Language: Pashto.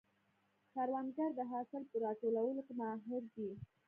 کروندګر د حاصل په راټولولو کې ماهر دی